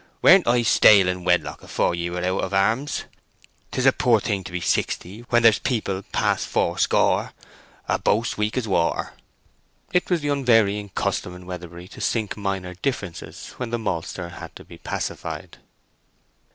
Weren't I stale in wedlock afore ye were out of arms? 'Tis a poor thing to be sixty, when there's people far past four score—a boast weak as water." It was the unvarying custom in Weatherbury to sink minor differences when the maltster had to be pacified.